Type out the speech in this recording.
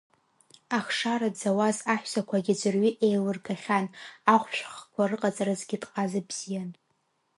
Ахшара дзауаз аҳәсақәагьы ӡәырҩы еиллыргахьан, ахәшә хкқәа рыҟаҵаразгьы дҟаза бзиан.